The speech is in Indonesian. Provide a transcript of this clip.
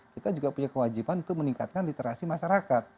kita juga punya kewajiban untuk meningkatkan literasi masyarakat